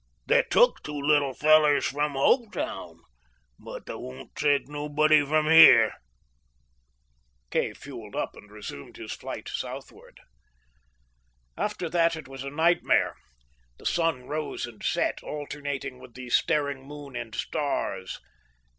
They took two little fellers from Hopetown, but they won't take nobody from here." Kay fuelled up and resumed his flight southward. After that it was a nightmare. The sun rose and set, alternating with the staring moon and stars.